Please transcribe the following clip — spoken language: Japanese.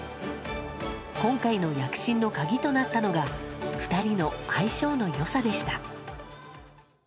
今回の躍進の鍵となったのが、２人の相性のよさでした。